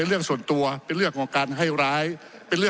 ขอประท้วงครับขอประท้วงครับขอประท้วงครับขอประท้วงครับ